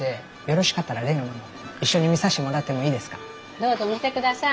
よう見てください。